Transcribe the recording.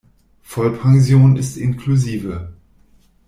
Vollpension ist inklusive.